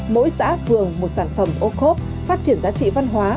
mỗi xã phường một sản phẩm ô khốp phát triển giá trị văn hóa